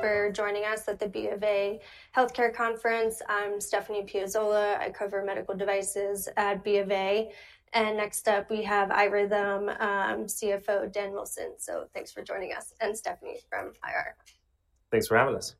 Thanks for joining us at the B of A Healthcare Conference. I'm Stephanie Piazzola. I cover Medical Devices at B of A. Next up, we have iRhythm CFO, Dan Wilson. Thanks for joining us, and Stephanie from IR. Thanks for having us.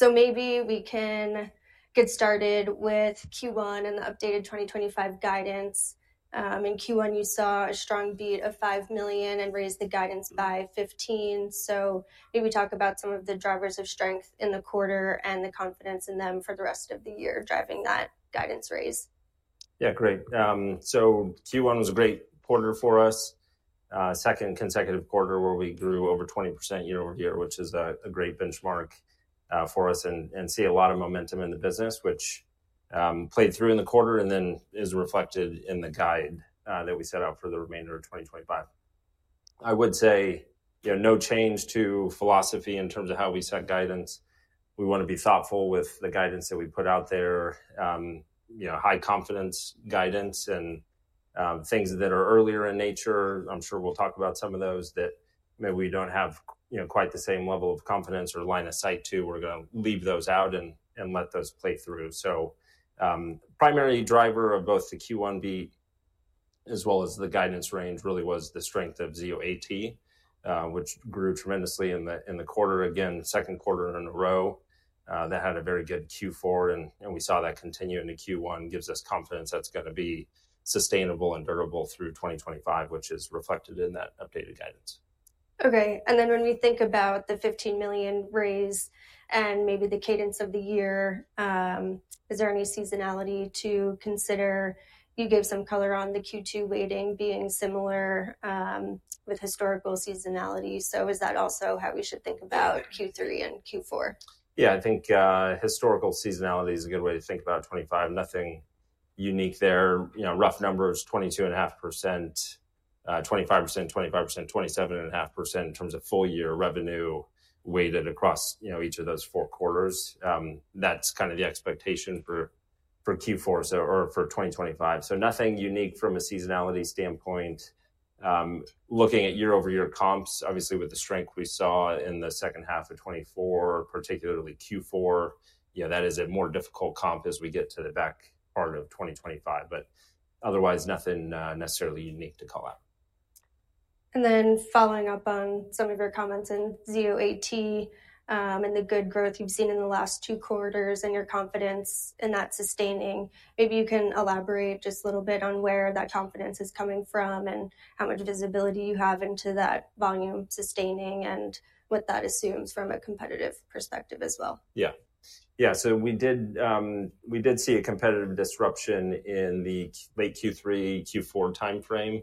Maybe we can get started with Q1 and the updated 2025 guidance. In Q1, you saw a strong beat of $5 million and raised the guidance by $15 million. Maybe we talk about some of the drivers of strength in the quarter and the confidence in them for the rest of the year driving that guidance raise. Yeah, great. Q1 was a great quarter for us, second consecutive quarter where we grew over 20% year-over-year, which is a great benchmark for us and see a lot of momentum in the business, which played through in the quarter and then is reflected in the guide that we set out for the remainder of 2025. I would say, you know, no change to philosophy in terms of how we set guidance. We want to be thoughtful with the guidance that we put out there, high confidence guidance and things that are earlier in nature. I'm sure we'll talk about some of those that maybe we don't have quite the same level of confidence or line of sight to. We're going to leave those out and let those play through. Primary driver of both the Q1 beat as well as the guidance range really was the strength of Zio AT, which grew tremendously in the quarter, again, second quarter in a row. That had a very good Q4, and we saw that continue into Q1 gives us confidence that's going to be sustainable and durable through 2025, which is reflected in that updated guidance. Okay. And then when we think about the $15 million raise and maybe the cadence of the year, is there any seasonality to consider? You gave some color on the Q2 weighting being similar with historical seasonality. Is that also how we should think about Q3 and Q4? Yeah, I think historical seasonality is a good way to think about 2025. Nothing unique there. Rough numbers, 22.5%, 25%, 25%, 27.5% in terms of full year revenue weighted across each of those four quarters. That's kind of the expectation for Q4 or for 2025. Nothing unique from a seasonality standpoint. Looking at year-over-year comps, obviously with the strength we saw in the second half of 2024, particularly Q4, that is a more difficult comp as we get to the back part of 2025. Otherwise, nothing necessarily unique to call out. Following up on some of your comments in Zio AT and the good growth you've seen in the last two quarters and your confidence in that sustaining, maybe you can elaborate just a little bit on where that confidence is coming from and how much visibility you have into that volume sustaining and what that assumes from a competitive perspective as well. Yeah. Yeah, so we did see a competitive disruption in the late Q3, Q4 timeframe.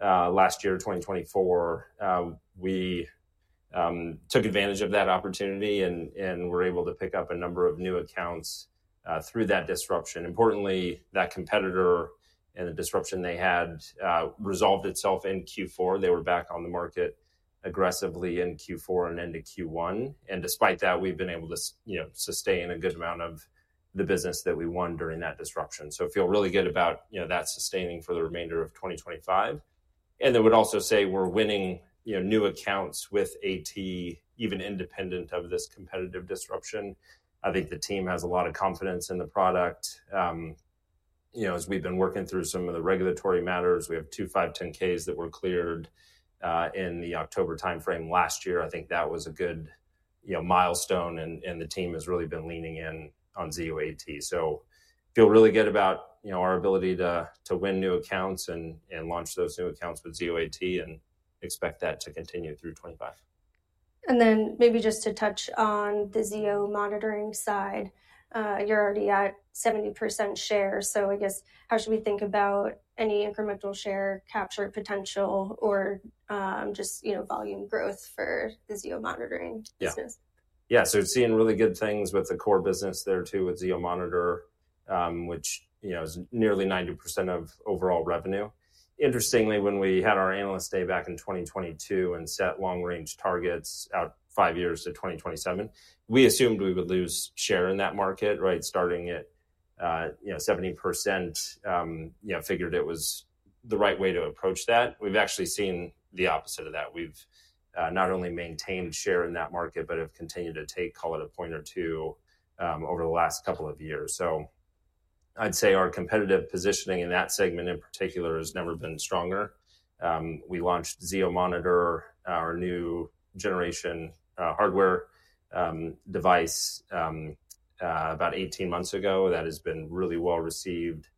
Last year, 2024, we took advantage of that opportunity and were able to pick up a number of new accounts through that disruption. Importantly, that competitor and the disruption they had resolved itself in Q4. They were back on the market aggressively in Q4 and into Q1. Despite that, we've been able to sustain a good amount of the business that we won during that disruption. I feel really good about that sustaining for the remainder of 2025. I would also say we're winning new accounts with AT, even independent of this competitive disruption. I think the team has a lot of confidence in the product. As we've been working through some of the regulatory matters, we have two 510(k)s that were cleared in the October timeframe last year. I think that was a good milestone, and the team has really been leaning in on Zio AT. I feel really good about our ability to win new accounts and launch those new accounts with Zio AT and expect that to continue through 2025. Maybe just to touch on the Zio monitoring side, you're already at 70% share. I guess how should we think about any incremental share capture potential or just volume growth for the Zio monitoring business? Yeah, so it's seeing really good things with the core business there too with Zio Monitor, which is nearly 90% of overall revenue. Interestingly, when we had our analyst day back in 2022 and set long-range targets out five years to 2027, we assumed we would lose share in that market, right? Starting at 70%, figured it was the right way to approach that. We've actually seen the opposite of that. We've not only maintained share in that market, but have continued to take, call it a point or two over the last couple of years. I'd say our competitive positioning in that segment in particular has never been stronger. We launched Zio Monitor, our new generation hardware device about 18 months ago that has been really well received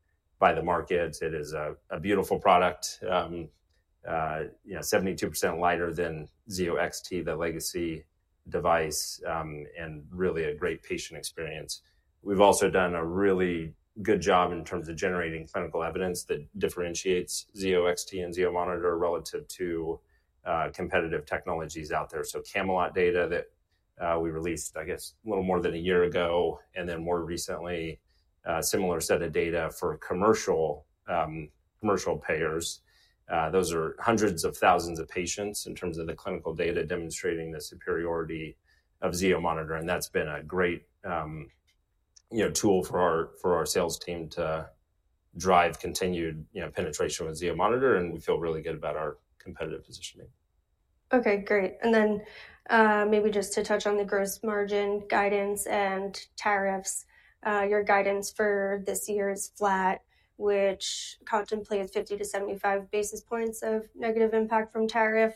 by the market. It is a beautiful product, 72% lighter than Zio XT, the legacy device, and really a great patient experience. We've also done a really good job in terms of generating clinical evidence that differentiates Zio XT and Zio Monitor relative to competitive technologies out there. Camelot data that we released, I guess, a little more than a year ago and then more recently, similar set of data for commercial payers. Those are hundreds of thousands of patients in terms of the clinical data demonstrating the superiority of Zio Monitor. That's been a great tool for our sales team to drive continued penetration with Zio Monitor, and we feel really good about our competitive positioning. Okay, great. Maybe just to touch on the gross margin guidance and tariffs, your guidance for this year is flat, which contemplates 50-75 basis points of negative impact from tariff.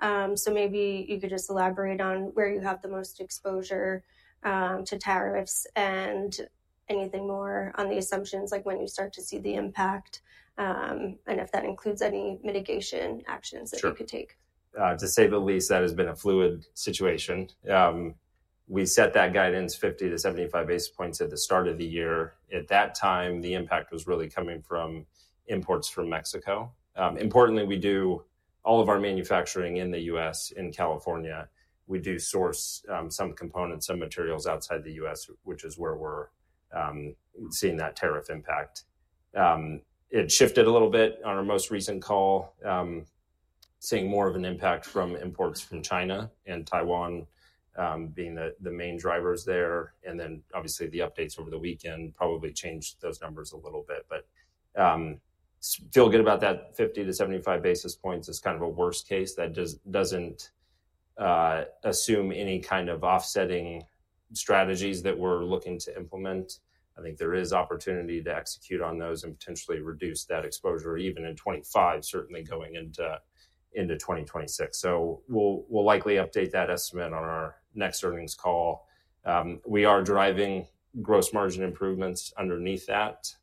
Maybe you could just elaborate on where you have the most exposure to tariffs and anything more on the assumptions, like when you start to see the impact and if that includes any mitigation actions that you could take. To say the least, that has been a fluid situation. We set that guidance 50-75 basis points at the start of the year. At that time, the impact was really coming from imports from Mexico. Importantly, we do all of our manufacturing in the U.S., in California. We do source some components, some materials outside the U.S., which is where we're seeing that tariff impact. It shifted a little bit on our most recent call, seeing more of an impact from imports from China and Taiwan being the main drivers there. Obviously, the updates over the weekend probably changed those numbers a little bit. Feel good about that 50-75 basis points is kind of a worst case that does not assume any kind of offsetting strategies that we're looking to implement. I think there is opportunity to execute on those and potentially reduce that exposure even in 2025, certainly going into 2026. We will likely update that estimate on our next earnings call. We are driving gross margin improvements underneath that.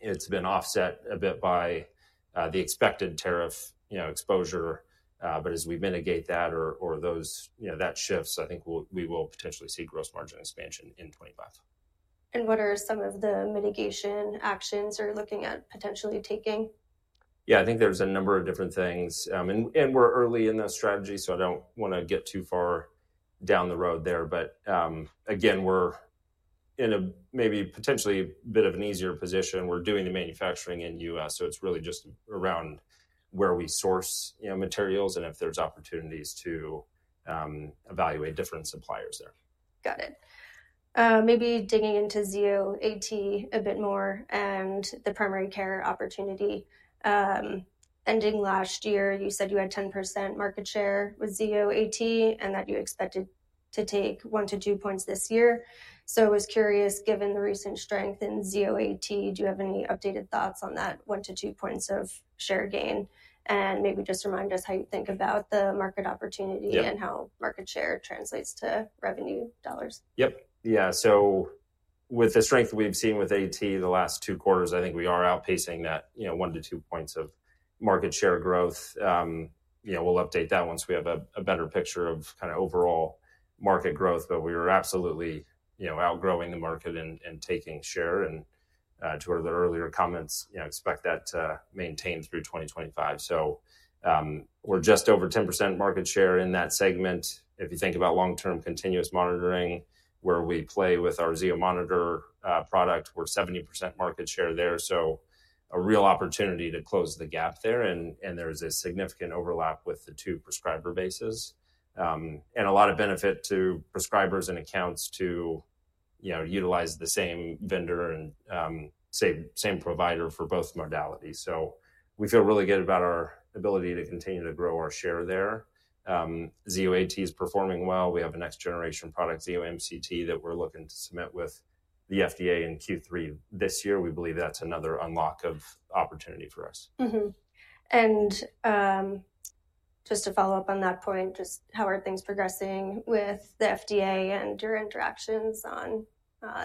It has been offset a bit by the expected tariff exposure, but as we mitigate that or that shifts, I think we will potentially see gross margin expansion in 2025. What are some of the mitigation actions you're looking at potentially taking? Yeah, I think there's a number of different things. We're early in the strategy, so I don't want to get too far down the road there. Again, we're in a maybe potentially a bit of an easier position. We're doing the manufacturing in the U.S., so it's really just around where we source materials and if there's opportunities to evaluate different suppliers there. Got it. Maybe digging into Zio AT a bit more and the primary care opportunity. Ending last year, you said you had 10% market share with Zio AT and that you expected to take one to two percentage points this year. I was curious, given the recent strength in Zio AT, do you have any updated thoughts on that one to two percentage points of share gain and maybe just remind us how you think about the market opportunity and how market share translates to revenue dollars? Yep. Yeah. So with the strength we've seen with AT the last two quarters, I think we are outpacing that one to two points of market share growth. We'll update that once we have a better picture of kind of overall market growth, but we were absolutely outgrowing the market and taking share. To the earlier comments, expect that to maintain through 2025. We're just over 10% market share in that segment. If you think about long-term continuous monitoring where we play with our Zio Monitor product, we're 70% market share there. A real opportunity to close the gap there. There is a significant overlap with the two prescriber bases and a lot of benefit to prescribers and accounts to utilize the same vendor and same provider for both modalities. We feel really good about our ability to continue to grow our share there. AT is performing well. We have a next-generation product, Zio MCT, that we're looking to submit with the FDA in Q3 this year. We believe that's another unlock of opportunity for us. Just to follow up on that point, just how are things progressing with the FDA and your interactions on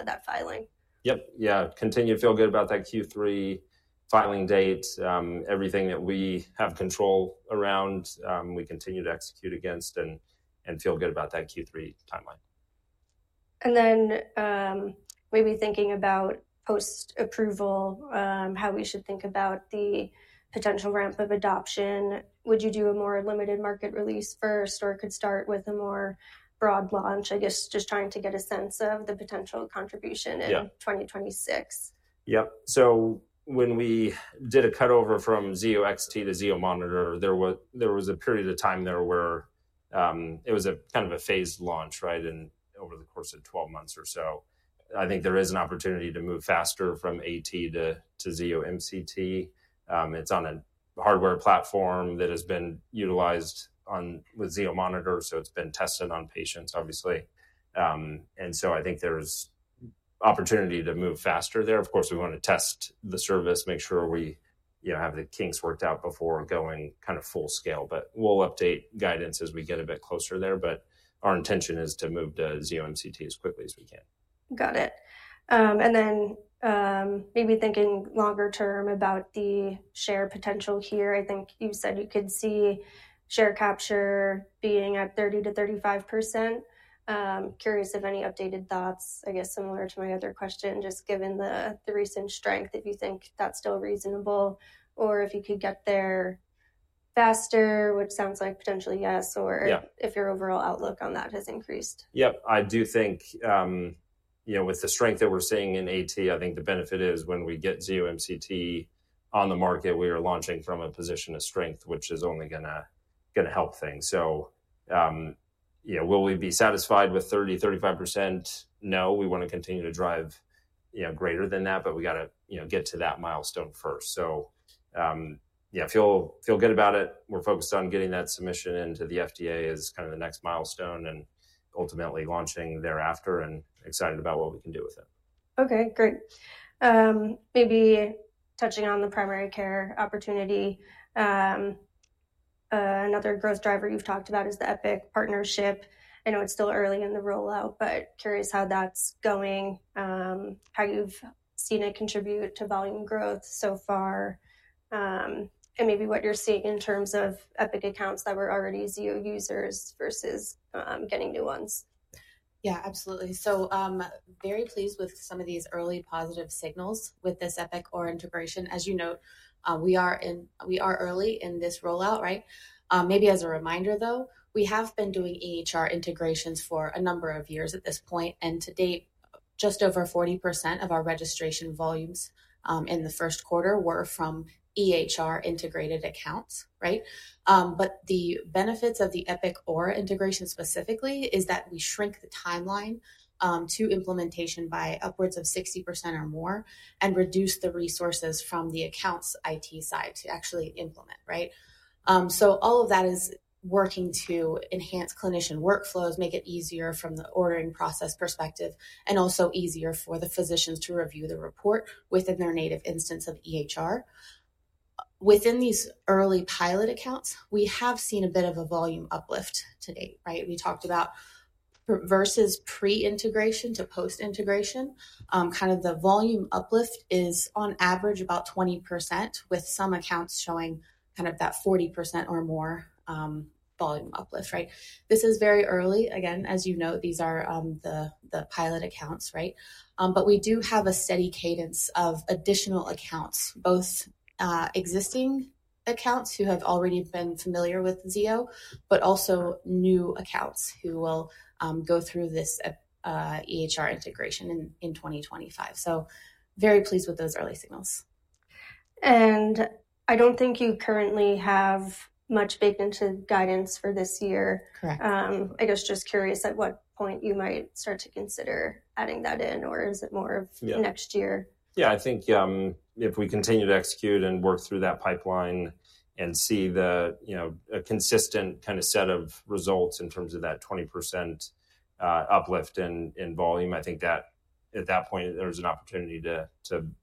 that filing? Yep. Yeah. Continue to feel good about that Q3 filing date. Everything that we have control around, we continue to execute against and feel good about that Q3 timeline. Maybe thinking about post-approval, how we should think about the potential ramp of adoption. Would you do a more limited market release first or could you start with a more broad launch? I guess just trying to get a sense of the potential contribution in 2026. Yep. When we did a cutover from Zio XT to Zio Monitor, there was a period of time there where it was a kind of a phased launch, right, over the course of 12 months or so. I think there is an opportunity to move faster from AT to Zio MCT. It is on a hardware platform that has been utilized with Zio Monitor, so it has been tested on patients, obviously. I think there is opportunity to move faster there. Of course, we want to test the service, make sure we have the kinks worked out before going kind of full scale, but we will update guidance as we get a bit closer there. Our intention is to move to Zio MCT as quickly as we can. Got it. Maybe thinking longer term about the share potential here, I think you said you could see share capture being at 30%-35%. Curious if any updated thoughts, I guess, similar to my other question, just given the recent strength, if you think that's still reasonable or if you could get there faster, which sounds like potentially yes, or if your overall outlook on that has increased. Yep. I do think with the strength that we're seeing in AT, I think the benefit is when we get Zio MCT on the market, we are launching from a position of strength, which is only going to help things. Will we be satisfied with 30%-35%? No, we want to continue to drive greater than that, but we got to get to that milestone first. Yeah, feel good about it. We're focused on getting that submission into the FDA as kind of the next milestone and ultimately launching thereafter and excited about what we can do with it. Okay, great. Maybe touching on the primary care opportunity, another growth driver you've talked about is the Epic partnership. I know it's still early in the rollout, but curious how that's going, how you've seen it contribute to volume growth so far, and maybe what you're seeing in terms of Epic accounts that were already Zio users versus getting new ones. Yeah, absolutely. So very pleased with some of these early positive signals with this Epic integration. As you note, we are early in this rollout, right? Maybe as a reminder though, we have been doing EHR integrations for a number of years at this point. And to date, just over 40% of our registration volumes in the first quarter were from EHR integrated accounts, right? But the benefits of the Epic integration specifically is that we shrink the timeline to implementation by upwards of 60% or more and reduce the resources from the accounts IT side to actually implement, right? So all of that is working to enhance clinician workflows, make it easier from the ordering process perspective, and also easier for the physicians to review the report within their native instance of EHR. Within these early pilot accounts, we have seen a bit of a volume uplift to date, right? We talked about versus pre-integration to post-integration, kind of the volume uplift is on average about 20% with some accounts showing kind of that 40% or more volume uplift, right? This is very early. Again, as you know, these are the pilot accounts, right? We do have a steady cadence of additional accounts, both existing accounts who have already been familiar with Zio, but also new accounts who will go through this EHR integration in 2025. Very pleased with those early signals. I don't think you currently have much baked into guidance for this year. Correct. I guess just curious at what point you might start to consider adding that in, or is it more of next year? Yeah, I think if we continue to execute and work through that pipeline and see a consistent kind of set of results in terms of that 20% uplift in volume, I think that at that point, there's an opportunity to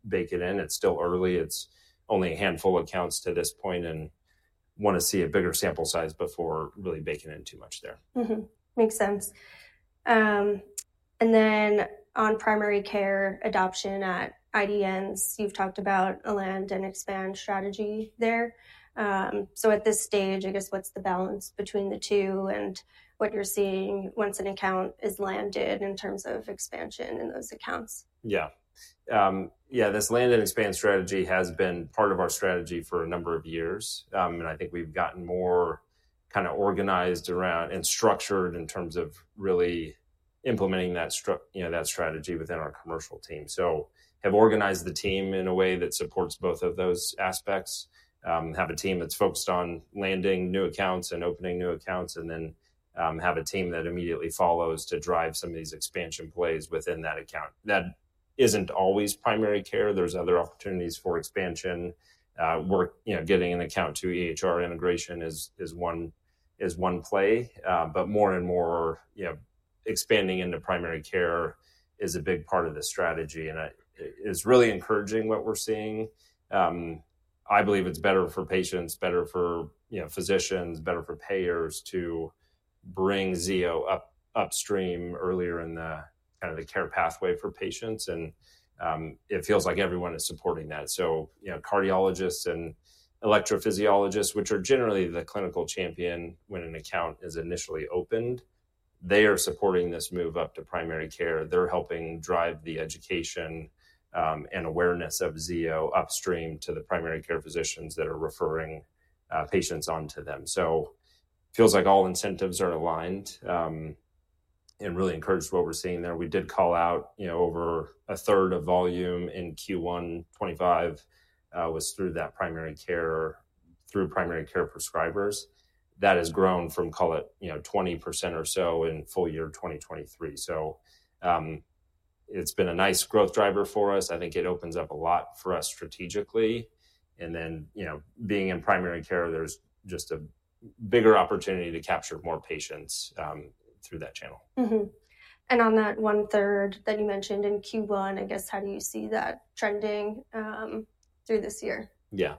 bake it in. It's still early. It's only a handful of accounts to this point and want to see a bigger sample size before really baking in too much there. Makes sense. And then on primary care adoption at IDNs, you've talked about a land and expand strategy there. At this stage, I guess what's the balance between the two and what you're seeing once an account is landed in terms of expansion in those accounts? Yeah. Yeah, this land and expand strategy has been part of our strategy for a number of years. I think we've gotten more kind of organized around and structured in terms of really implementing that strategy within our commercial team. Have organized the team in a way that supports both of those aspects, have a team that's focused on landing new accounts and opening new accounts, and then have a team that immediately follows to drive some of these expansion plays within that account. That isn't always primary care. There are other opportunities for expansion. Getting an account to EHR integration is one play. More and more, expanding into primary care is a big part of the strategy and is really encouraging what we're seeing. I believe it's better for patients, better for physicians, better for payers to bring Zio upstream earlier in the kind of the care pathway for patients. It feels like everyone is supporting that. Cardiologists and electrophysiologists, which are generally the clinical champion when an account is initially opened, are supporting this move up to primary care. They're helping drive the education and awareness of Zio upstream to the primary care physicians that are referring patients onto them. It feels like all incentives are aligned and really encouraged what we're seeing there. We did call out over a third of volume in Q1 2025 was through that primary care, through primary care prescribers. That has grown from, call it 20% or so in full year 2023. It's been a nice growth driver for us. I think it opens up a lot for us strategically. Being in primary care, there's just a bigger opportunity to capture more patients through that channel. On that one third that you mentioned in Q1, I guess, how do you see that trending through this year? Yeah.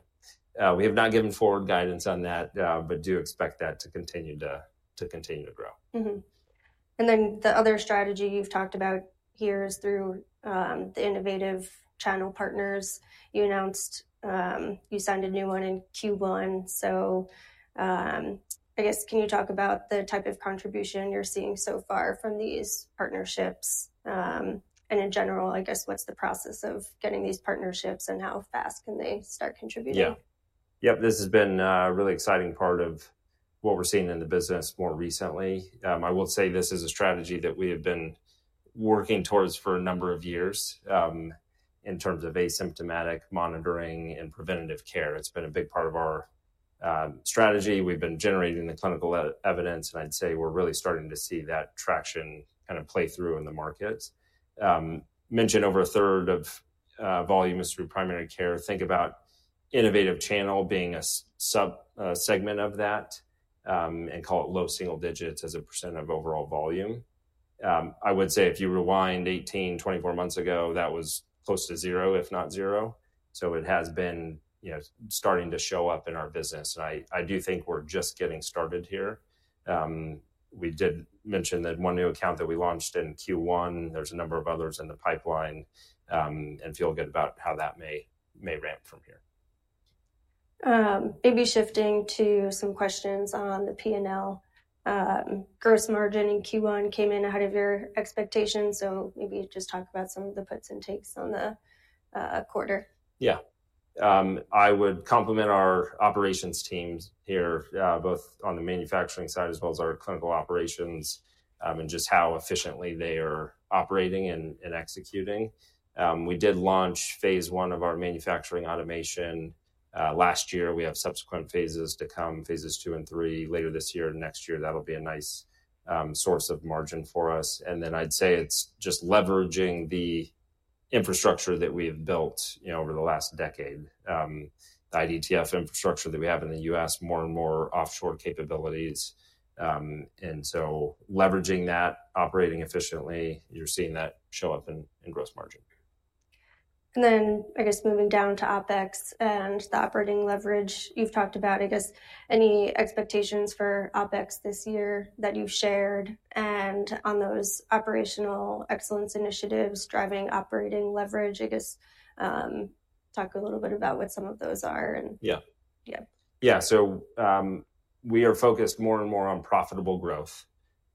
We have not given forward guidance on that, but do expect that to continue to grow. The other strategy you've talked about here is through the innovative channel partners. You announced you signed a new one in Q1. I guess can you talk about the type of contribution you're seeing so far from these partnerships? In general, I guess what's the process of getting these partnerships and how fast can they start contributing? Yeah. Yep. This has been a really exciting part of what we're seeing in the business more recently. I will say this is a strategy that we have been working towards for a number of years in terms of asymptomatic monitoring and preventative care. It's been a big part of our strategy. We've been generating the clinical evidence, and I'd say we're really starting to see that traction kind of play through in the markets. Mentioned over a third of volume is through primary care. Think about innovative channel being a subsegment of that and call it low single digits as a percent of overall volume. I would say if you rewind 18-24 months ago, that was close to zero, if not zero. It has been starting to show up in our business. I do think we're just getting started here. We did mention that one new account that we launched in Q1. There's a number of others in the pipeline and feel good about how that may ramp from here. Maybe shifting to some questions on the P&L. Gross margin in Q1 came in ahead of your expectations. Maybe just talk about some of the puts and takes on the quarter. Yeah. I would compliment our operations teams here, both on the manufacturing side as well as our clinical operations and just how efficiently they are operating and executing. We did launch phase one of our manufacturing automation last year. We have subsequent phases to come, phases two and three later this year and next year. That will be a nice source of margin for us. I would say it is just leveraging the infrastructure that we have built over the last decade, the IDTF infrastructure that we have in the U.S., more and more offshore capabilities. Leveraging that, operating efficiently, you are seeing that show up in gross margin. I guess moving down to OpEx and the operating leverage you've talked about, I guess any expectations for OpEx this year that you've shared and on those operational excellence initiatives driving operating leverage, I guess talk a little bit about what some of those are and yeah. Yeah. Yeah. We are focused more and more on profitable growth.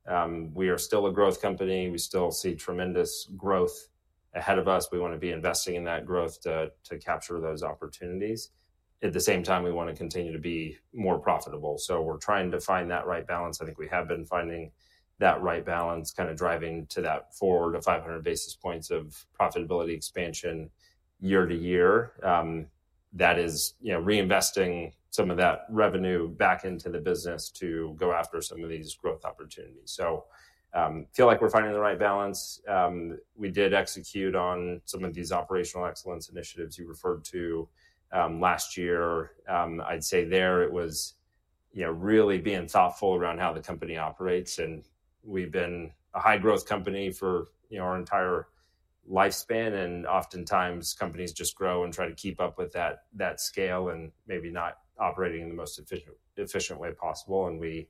We are still a growth company. We still see tremendous growth ahead of us. We want to be investing in that growth to capture those opportunities. At the same time, we want to continue to be more profitable. We are trying to find that right balance. I think we have been finding that right balance, kind of driving to that 400-500 basis points of profitability expansion year to year. That is reinvesting some of that revenue back into the business to go after some of these growth opportunities. I feel like we are finding the right balance. We did execute on some of these operational excellence initiatives you referred to last year. I would say there it was really being thoughtful around how the company operates. We have been a high-growth company for our entire lifespan. Oftentimes companies just grow and try to keep up with that scale and maybe not operating in the most efficient way possible. We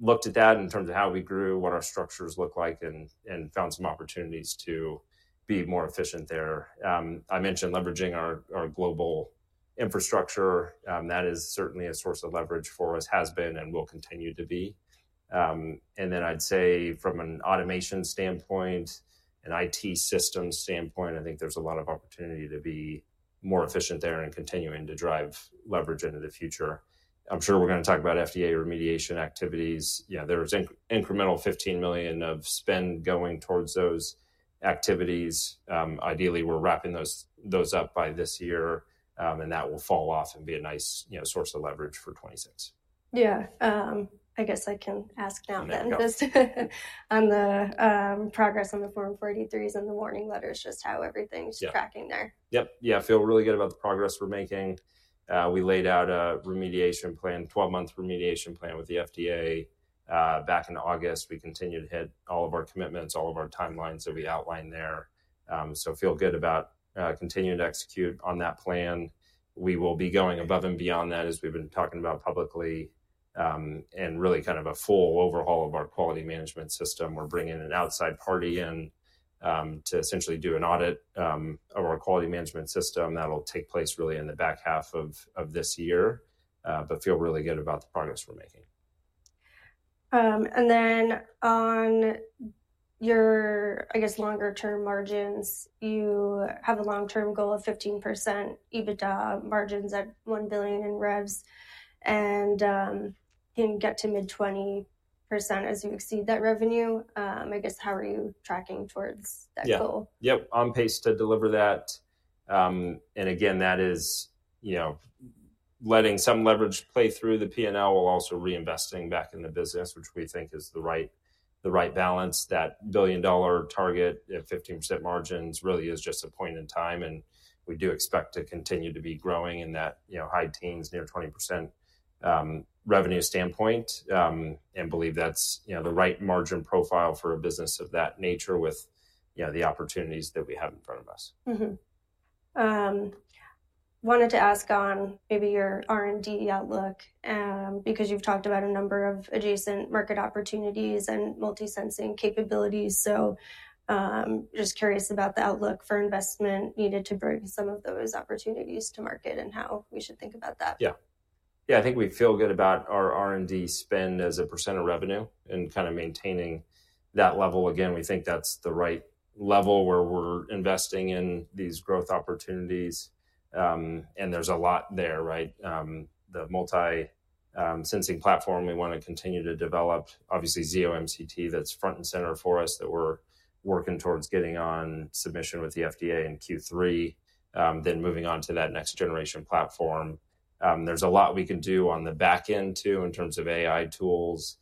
looked at that in terms of how we grew, what our structures look like, and found some opportunities to be more efficient there. I mentioned leveraging our global infrastructure. That is certainly a source of leverage for us, has been and will continue to be. I would say from an automation standpoint, an IT system standpoint, I think there is a lot of opportunity to be more efficient there and continuing to drive leverage into the future. I am sure we are going to talk about FDA remediation activities. There is incremental $15 million of spend going towards those activities. Ideally, we are wrapping those up by this year, and that will fall off and be a nice source of leverage for 2026. Yeah. I guess I can ask now then just on the progress on the Form 483s and the warning letters, just how everything's tracking there. Yep. Yep. Yeah. I feel really good about the progress we're making. We laid out a remediation plan, 12-month remediation plan with the FDA back in August. We continue to hit all of our commitments, all of our timelines that we outlined there. I feel good about continuing to execute on that plan. We will be going above and beyond that as we've been talking about publicly and really kind of a full overhaul of our quality management system. We're bringing an outside party in to essentially do an audit of our quality management system that'll take place really in the back half of this year, but feel really good about the progress we're making. On your, I guess, longer-term margins, you have a long-term goal of 15% EBITDA margins at $1 billion in revenue. Can you get to mid-20% as you exceed that revenue? I guess how are you tracking towards that goal? Yep. Yep. On pace to deliver that. Again, that is letting some leverage play through the P&L while also reinvesting back in the business, which we think is the right balance. That billion-dollar target at 15% margins really is just a point in time. We do expect to continue to be growing in that high teens, near 20% revenue standpoint. We believe that's the right margin profile for a business of that nature with the opportunities that we have in front of us. Wanted to ask on maybe your R&D outlook because you've talked about a number of adjacent market opportunities and multisensing capabilities. Just curious about the outlook for investment needed to bring some of those opportunities to market and how we should think about that. Yeah. Yeah. I think we feel good about our R&D spend as a percent of revenue and kind of maintaining that level. Again, we think that's the right level where we're investing in these growth opportunities. There's a lot there, right? The multisensing platform we want to continue to develop, obviously Zio MCT that's front and center for us that we're working towards getting on submission with the FDA in Q3, then moving on to that next generation platform. There's a lot we can do on the back end too in terms of AI tools,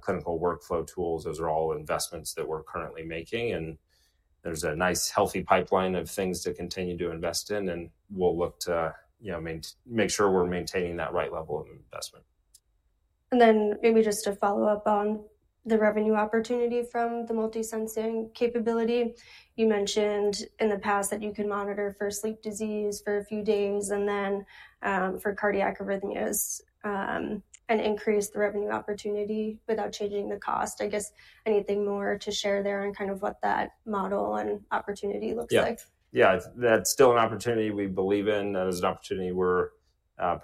clinical workflow tools. Those are all investments that we're currently making. There's a nice healthy pipeline of things to continue to invest in. We'll look to make sure we're maintaining that right level of investment. Maybe just to follow up on the revenue opportunity from the multisensing capability. You mentioned in the past that you can monitor for sleep disease for a few days and then for cardiac arrhythmias and increase the revenue opportunity without changing the cost. I guess anything more to share there on kind of what that model and opportunity looks like? Yeah. Yeah. That's still an opportunity we believe in. That is an opportunity we're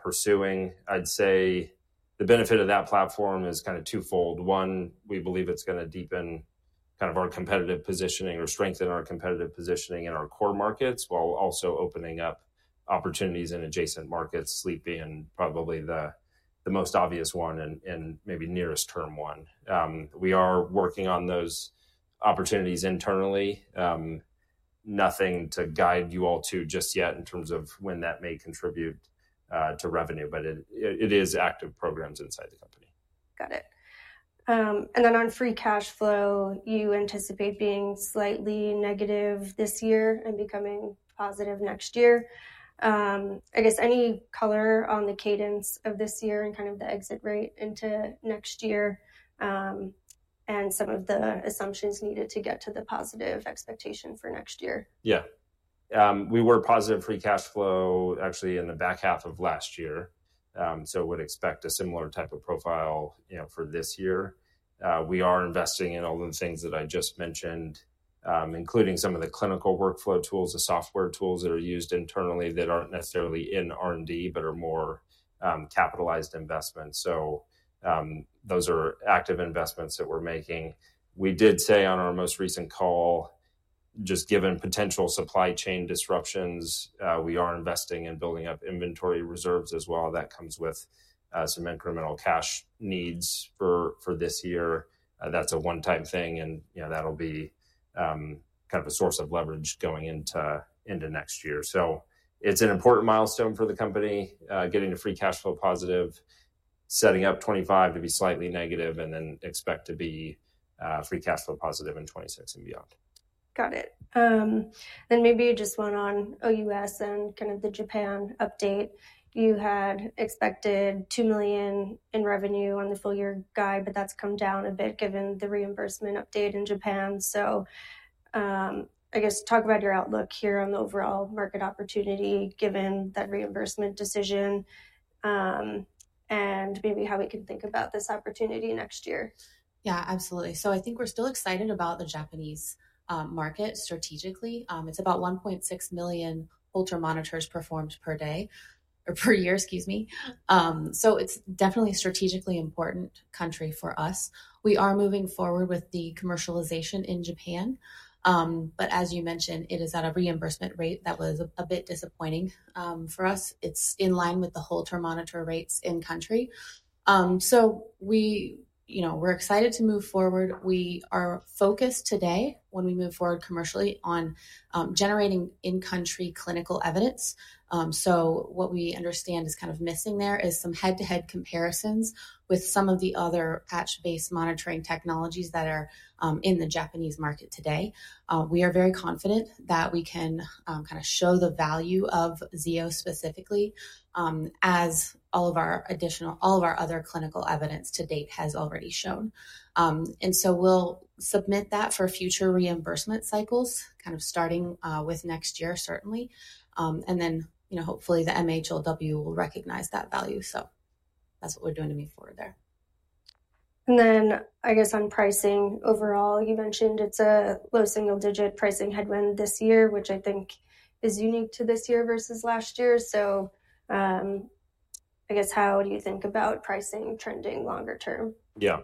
pursuing. I'd say the benefit of that platform is kind of twofold. One, we believe it's going to deepen kind of our competitive positioning or strengthen our competitive positioning in our core markets while also opening up opportunities in adjacent markets, sleep being probably the most obvious one and maybe nearest term one. We are working on those opportunities internally. Nothing to guide you all to just yet in terms of when that may contribute to revenue, but it is active programs inside the company. Got it. On free cash flow, you anticipate being slightly negative this year and becoming positive next year. I guess any color on the cadence of this year and kind of the exit rate into next year and some of the assumptions needed to get to the positive expectation for next year? Yeah. We were positive free cash flow actually in the back half of last year. We would expect a similar type of profile for this year. We are investing in all the things that I just mentioned, including some of the clinical workflow tools, the software tools that are used internally that are not necessarily in R&D, but are more capitalized investments. Those are active investments that we are making. We did say on our most recent call, just given potential supply chain disruptions, we are investing in building up inventory reserves as well. That comes with some incremental cash needs for this year. That is a one-time thing. That will be kind of a source of leverage going into next year. It's an important milestone for the company getting to free cash flow positive, setting up 2025 to be slightly negative, and then expect to be free cash flow positive in 2026 and beyond. Got it. Maybe just one on OUS and kind of the Japan update. You had expected $2 million in revenue on the full year guide, but that's come down a bit given the reimbursement update in Japan. I guess talk about your outlook here on the overall market opportunity given that reimbursement decision and maybe how we can think about this opportunity next year. Yeah, absolutely. I think we're still excited about the Japanese market strategically. It's about 1.6 million ultra monitors performed per year, excuse me. It's definitely a strategically important country for us. We are moving forward with the commercialization in Japan. As you mentioned, it is at a reimbursement rate that was a bit disappointing for us. It's in line with the whole term monitor rates in country. We're excited to move forward. We are focused today when we move forward commercially on generating in-country clinical evidence. What we understand is kind of missing there is some head-to-head comparisons with some of the other patch-based monitoring technologies that are in the Japanese market today. We are very confident that we can kind of show the value of Zio specifically as all of our additional, all of our other clinical evidence to date has already shown. We will submit that for future reimbursement cycles kind of starting with next year, certainly. Hopefully the MHLW will recognize that value. That is what we are doing to move forward there. I guess on pricing overall, you mentioned it's a low single digit pricing headwind this year, which I think is unique to this year versus last year. I guess how do you think about pricing trending longer term? Yeah.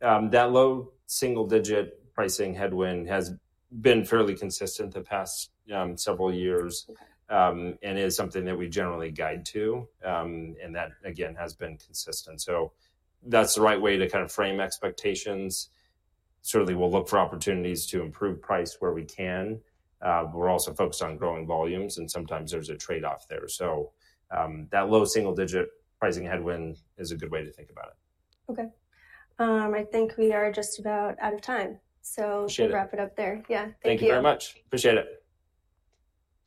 That low single digit pricing headwind has been fairly consistent the past several years and is something that we generally guide to. That again has been consistent. That is the right way to kind of frame expectations. Certainly, we'll look for opportunities to improve price where we can. We're also focused on growing volumes, and sometimes there's a trade-off there. That low single digit pricing headwind is a good way to think about it. Okay. I think we are just about out of time. So we'll wrap it up there. Yeah. Thank you. Thank you very much. Appreciate it.